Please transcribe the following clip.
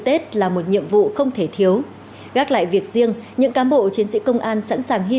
tết là một nhiệm vụ không thể thiếu gác lại việc riêng những cán bộ chiến sĩ công an sẵn sàng hy